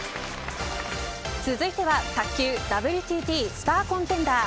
続いては卓球ＷＴＴスターコンテンダー